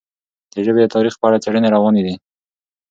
د ژبې د تاریخ په اړه څېړنې روانې دي.